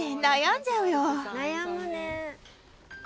悩むね。